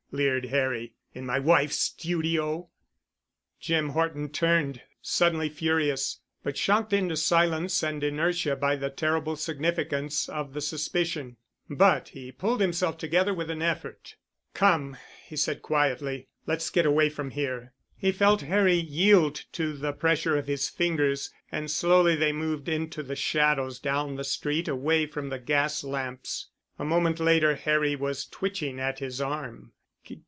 leered Harry, "in my wife's studio?" Jim Horton turned suddenly furious, but shocked into silence and inertia by the terrible significance of the suspicion. But he pulled himself together with an effort. "Come," he said quietly. "Let's get away from here." He felt Harry yield to the pressure of his fingers and slowly they moved into the shadows down the street away from the gas lamps. A moment later Harry was twitching at his arm.